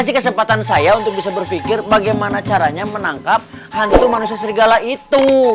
ini kesempatan saya untuk bisa berpikir bagaimana caranya menangkap hantu manusia serigala itu